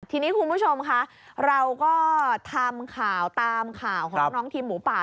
ทีนี้คุณผู้ชมค่ะเราก็ทำข่าวตามข่าวของน้องทีมหมูป่า